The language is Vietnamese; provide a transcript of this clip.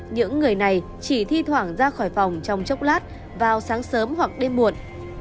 những người này chỉ thi thoảng ra khỏi phòng trong chốc lát vào sáng sớm hoặc đêm muộn